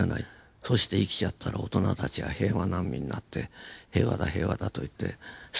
そして生きちゃったら大人たちが平和難民になって平和だ平和だと言ってスキップを踏んでる。